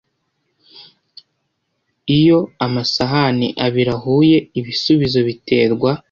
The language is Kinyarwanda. Iyo amasahani abiri ahuye ibisubizo biterwa